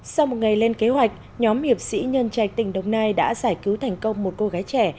sau một ngày lên kế hoạch nhóm hiệp sĩ nhân trạch tỉnh đồng nai đã giải cứu thành công một cô gái trẻ